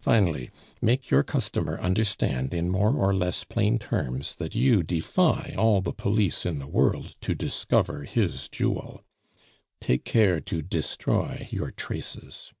Finally, make your customer understand in more or less plain terms that you defy all the police in the world to discover his jewel. Take care to destroy your traces.